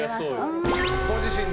ご自身で。